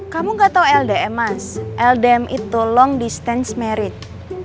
kamu gak tau ldm mas ldm itu long distance marriage